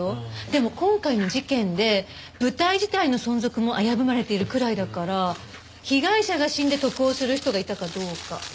でも今回の事件で舞台自体の存続も危ぶまれているくらいだから被害者が死んで得をする人がいたかどうか。